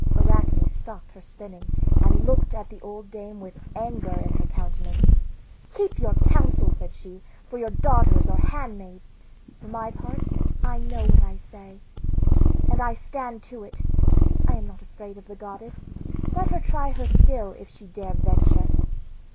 Arachne stopped her spinning and looked at the old dame with anger in her countenance. "Keep your counsel," said she, "for your daughters or handmaids; for my part I know what I say, and I stand to it. I am not afraid of the goddess; let her try her skill, if she dare venture."